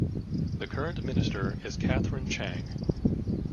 The current Minister is Katharine Chang.